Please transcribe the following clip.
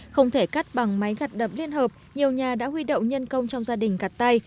không thể cắt bằng máy gặt đập liên hợp nhiều nhà đã huy động nhân công trong gia đình gặt tay